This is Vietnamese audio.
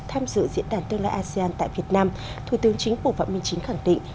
tham dự diễn đàn tương lai asean tại việt nam thủ tướng chính phủ phạm minh chính khẳng định